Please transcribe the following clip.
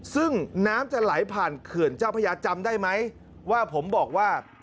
ซึ่งน้ำจะไหลผ่านเขื่อนเจ้าพระยาจำได้ไหมว่าผมบอกว่า